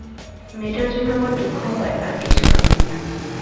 মেয়েটার জন্য আমার দুঃখ হয়, আর কিছু না।